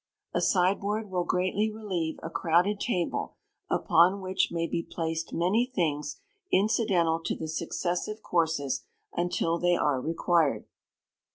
A sideboard will greatly relieve a crowded table, upon which may be placed many things incidental to the successive courses, until they are required.